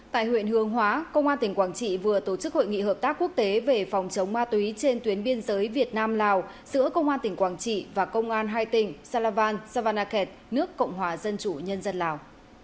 tại huyện hương hóa công an tỉnh quảng trị vừa tổ chức hội nghị hợp tác quốc tế về phòng chống ma túy trên tuyến biên giới việt nam lào giữa công an tỉnh quảng trị và công an hai tỉnh salavan savanakhet nước cộng hòa dân chủ nhân dân lào